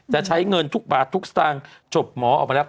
จะใช้เงินทุกบาททุกสตางค์จบหมอออกไปแล้ว